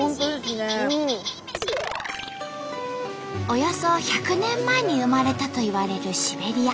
およそ１００年前に生まれたといわれるシベリア。